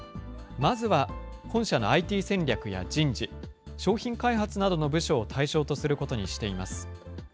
まずは本社のＩＴ戦略や人事、商品開発などの部署を対象とすることにしています。